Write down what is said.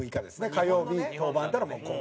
火曜日登板やったらこう。